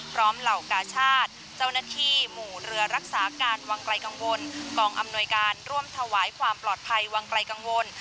เหล่ากาชาติเจ้าหน้าที่หมู่เรือรักษาการวังไกลกังวลกองอำนวยการร่วมถวายความปลอดภัยวังไกลกังวล